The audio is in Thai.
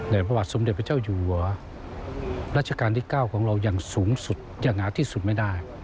ในประวัติสมเด็จพระเจ้าอยู่รัชกาลที่เก้าของเรายังสูงสุดอย่างอาทิสุดไม่ได้